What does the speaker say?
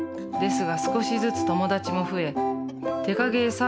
ですが少しずつ友達も増え手影絵